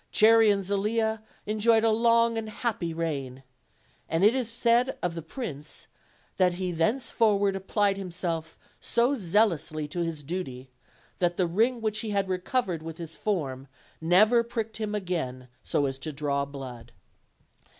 Cherry and Zelia enjoyed a long and happy reign, and it is said of the prince that he thenceforward applied himself so zeal ously to his duty that the ring which he had recovered with his form never pricked him again so as to draw blood.